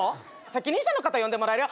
責任者の方呼んでもらえる？